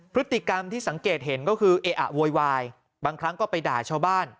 พฤติกรรมที่สังเกตเห็นก็คือเออะโวยวายบางครั้งก็ไปด่าชาวบ้าน